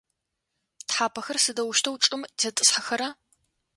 Тхьапэхэр сыдэущтэу чӏым тетӏысхьэхэра?